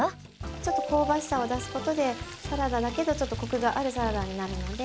ちょっと香ばしさを出すことでサラダだけどちょっとコクがあるサラダになるので。